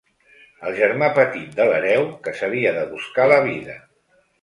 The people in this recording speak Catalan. El germà petit de l'hereu, que s'havia de buscar la vida.